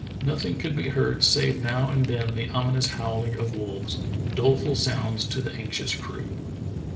Nothing could be heard save now and then the ominous howl ing of wolves, doleful sounds to the anxious crew.